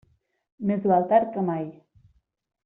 Més val tard que mai.